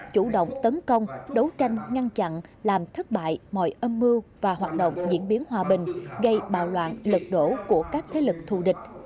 chủ động tấn công đấu tranh ngăn chặn làm thất bại mọi âm mưu và hoạt động diễn biến hòa bình gây bạo loạn lật đổ của các thế lực thù địch